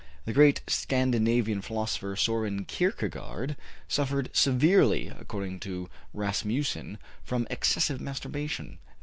The great Scandinavian philosopher, Sören Kierkegaard, suffered severely, according to Rasmussen, from excessive masturbation.